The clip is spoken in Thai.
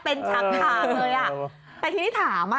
เป็นฉากถามเลยไปที่นี่ถาม